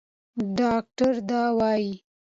ډاکټره دا وايي.